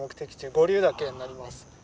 五竜岳になります。